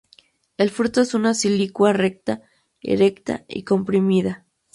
El fruto es una silicua recta, erecta y comprimida.